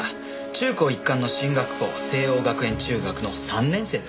中高一貫の進学校西應学園中学の３年生です。